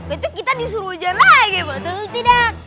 itu kita disuruh hujan lagi betul tidak